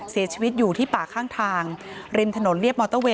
เสียชีวิตอยู่ที่ป่าข้างทางริมถนนเรียบมอเตอร์เวย